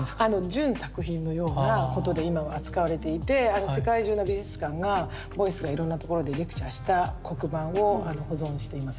準作品のようなことで今は扱われていて世界中の美術館がボイスがいろんなところでレクチャーした黒板を保存しています。